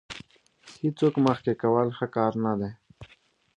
هېڅوک مخکې کول ښه کار نه دی.